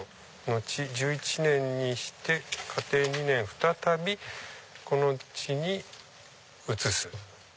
後１１年にして嘉禎２年再びこの地に移す。